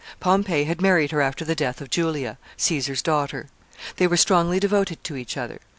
Pompey had married her after the death of Julia, Caesar's daughter. They were strongly devoted to each other.